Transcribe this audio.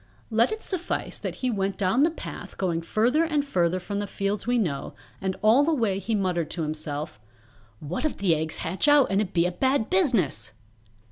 Let it suffice that he went down that path going further and further from the fields we know, and all the way he muttered to himself, "What if the eggs hatch out and it be a bad business!"